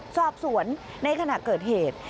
สอบสวนในขณะเกิดเหตุ